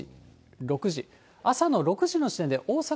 朝の６時の時点で、大阪、